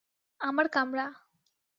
আমার কামরা।